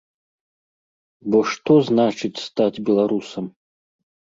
Бо што значыць стаць беларусам?